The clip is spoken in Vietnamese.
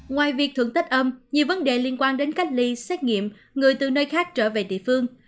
ngoài việc thưởng tết âm nhiều vấn đề liên quan đến cách ly xét nghiệm người từ nơi khác trở về địa phương